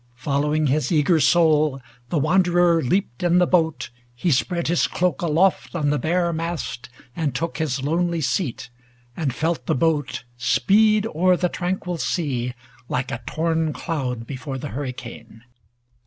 31a Following his eager soul, the wanderer Leaped in the boat ; he spread his cloak aloft On the bare mast, and took his lonely seat, And felt the boat speed o'er the tranquil sea Like a torn cloud before the hurricane.